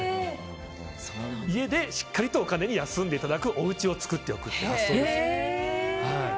家でしっかりとお金に休んでいただくおうちを作っておくという。